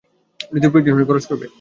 যদি প্রয়োজন হয় খরচ করবে।